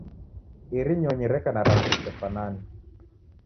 Iri nyonyi reka na rangi risefanane.